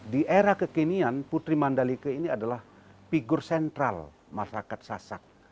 di era kekinian putri mandalika ini adalah figur sentral masyarakat sasak